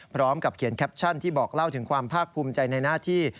พร้อมกับเขียนแคปชั่นที่บอกเล่าถึงความภาคภูมิใจในหน้าที่